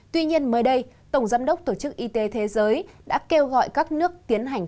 tuy nhiên mới đây tổng giám đốc tổ chức y tế thế giới đã kêu gọi các nước tiến hành